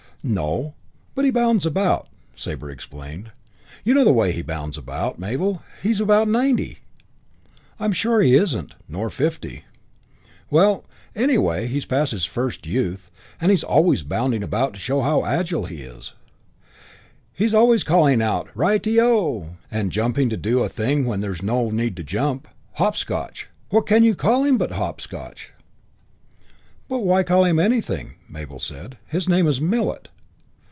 "No, but he bounds about," Sabre explained. "You know the way he bounds about, Mabel. He's about ninety " "I'm sure he isn't, nor fifty." "Well, anyway, he's past his first youth, but he's always bounding about to show how agile he is. He's always calling out 'Ri te O!' and jumping to do a thing when there's no need to jump. Hopscotch. What can you call him but Hopscotch?" "But why call him anything?" Mabel said. "His name's Millet."